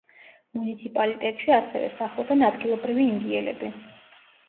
მუნიციპალიტეტში ასევე სახლობენ ადგილობრივი ინდიელები.